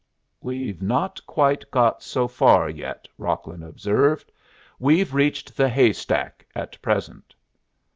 "We've not got quite so far yet," Rocklin observed. "We've reached the hay stack at present."